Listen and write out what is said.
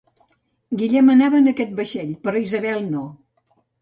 Guillem anava en aquest vaixell, però Isabel no.